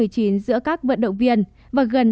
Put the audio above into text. giữa các vận động viên và gần